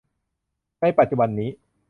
ในปัจจุบันนี้